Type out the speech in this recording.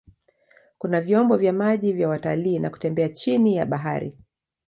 Kuna vyombo vya maji vya watalii na kutembea chini ya bahari.